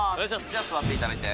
じゃあ座っていただいて。